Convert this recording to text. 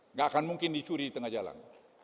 nggak akan mungkin dicuri di tengah jalan